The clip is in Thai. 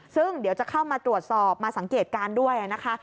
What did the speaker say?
ซึ่งเดี๋ยวจะเข้ามาตรวจสอบมาสังเกตการณ์ด้วยนะคะ